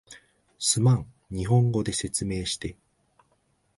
すまん、日本語で説明して